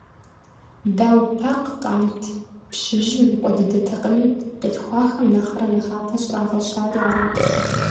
Дау Пакъ къант, пщыжьым и къуэ дыдэтэкъыми, къилъхуахэм нэхърэ нэхъапэ щӏрагъэщари арат.